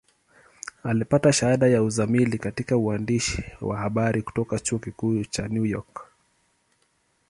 Alipata shahada ya uzamili katika uandishi wa habari kutoka Chuo Kikuu cha New York.